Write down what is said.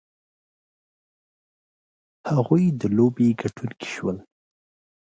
هغوی د لوبې ګټونکي شول.